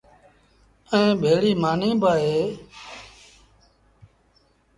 ائيٚݩٚ ڀيڙيٚ مآݩيٚ با اهي۔